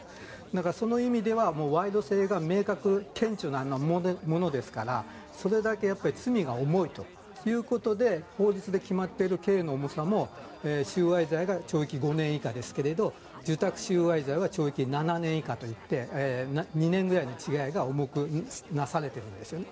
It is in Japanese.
それだけ賄賂性が顕著なものですからそれだけ罪が重いということで法律で決まっている刑の重さも収賄罪が懲役５年以下ですけれど受託収賄罪は懲役７年以下で２年ぐらいの違いが重くなされてるんですね。